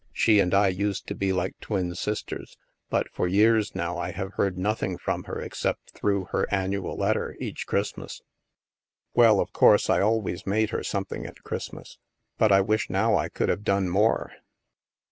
She and I used to be like twin sisters; but, for years now, I have heard nothing from her except through her annual letter, each Christmas." " Well, of course, I always made her something at Christmas. But I wish now I could have done more."